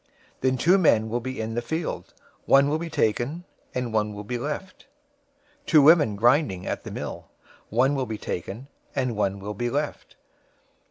024:040 Then two men will be in the field: one will be taken and one will be left; 024:041 two women grinding at the mill, one will be taken and one will be left.